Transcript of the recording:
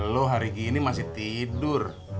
lo hari gini masih tidur